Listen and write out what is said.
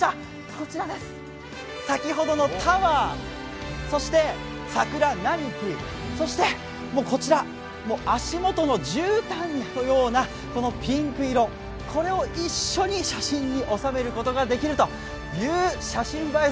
こちらです、先ほどのタワー、そして桜並木、そしてこちら、足元のじゅうたんのようなこのピンク色、これを一緒に写真に収めることができるという写真映え